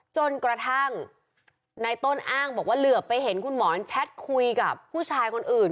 จนกระทั่งในต้นอ้างบอกว่าเหลือไปเห็นคุณหมอนแชทคุยกับผู้ชายคนอื่น